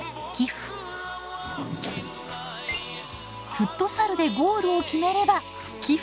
フットサルでゴールを決めれば寄付。